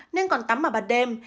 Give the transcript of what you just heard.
nên còn tắm vào ban đêm